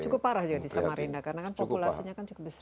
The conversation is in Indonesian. cukup parah juga di samarinda karena kan populasinya kan cukup besar